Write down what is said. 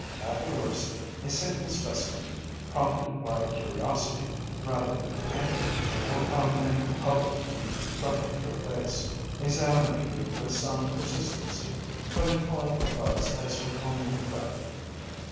At the worst, a single specimen, prompted by curiosity rather than anger, will come and hover in front of your face, examining you with some persistency, but employing a buzz as her only threat.